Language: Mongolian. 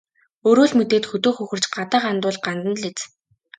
Өөрөө л мэдээд хөдөө хөхөрч, гадаа гандвал гандана л биз.